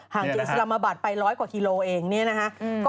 เจสละมบัตรไปร้อยกว่ากิโลเองเนี่ยนะฮะ